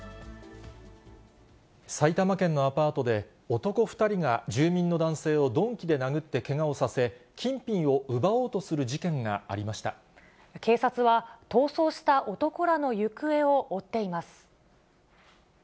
埼玉県のアパートで、男２人が住民の男性を鈍器で殴ってけがをさせ、金品を奪おうとす警察は、逃走した男らの行方を追っています。